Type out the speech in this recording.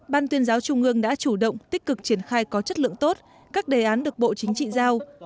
ban tuyên giáo trung ương đã chủ động tích cực triển khai có chất lượng tốt các đề án được bộ chính trị giao